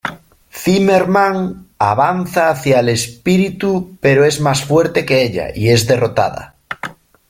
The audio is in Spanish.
Zimmermann avanza hacia al espíritu pero es más fuerte que ella y es derrotada.